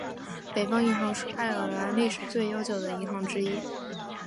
北方银行是爱尔兰历史最悠久的银行之一。